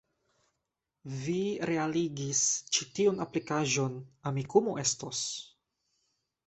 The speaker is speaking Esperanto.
Vi realigis ĉi tiun aplikaĵon. Amikumu estos